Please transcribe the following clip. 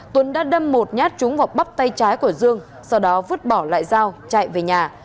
tuấn đã đâm một nhát trúng vào bắp tay trái của dương sau đó vứt bỏ lại dao chạy về nhà